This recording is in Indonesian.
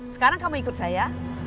sekarang kamu ikut saya